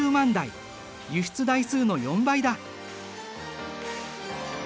輸出台数の４倍だ。